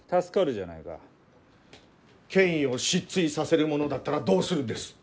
権威を失墜させるものだったらどうするんです？